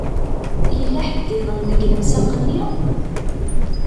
Yella ḥedd-iḍen deg lemsaq-nni?